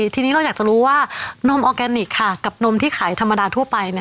ทีนี้เราอยากจะรู้ว่านมออร์แกนิคกับนมที่ขายธรรมดาทั่วไป